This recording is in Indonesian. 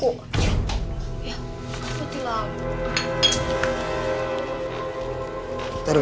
ya aku telah